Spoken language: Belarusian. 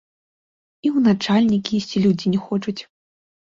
І ў начальнікі ісці людзі не хочуць.